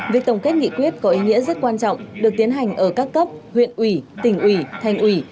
việc tổng kết nghị quyết có ý nghĩa rất quan trọng được tiến hành ở các cấp huyện ủy tỉnh ủy thành ủy